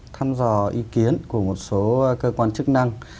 thăm dò ý kiến của một số cơ quan chức năng